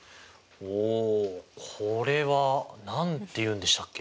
おおこれは何て言うんでしたっけ？